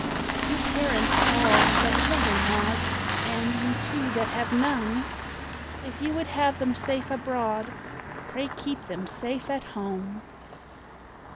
You parents all that children have, And you too that have none, If you would have them safe abroad Pray keep them safe at home.